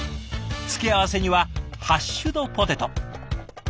付け合わせにはハッシュドポテト。